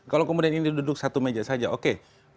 kalau kemudian ini duduk satu meja saja oke